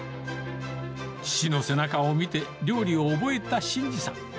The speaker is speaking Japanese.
父の背中を見て料理を覚えた慎司さん。